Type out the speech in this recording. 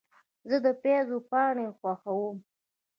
زه د پاییز پاڼې خوښوم.